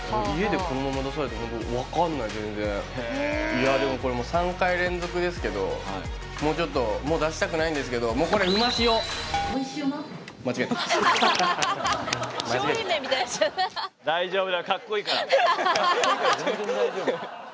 いやでもこれ３回連続ですけどもうちょっともう出したくないんですけどもうこれカッコイイから全然大丈夫！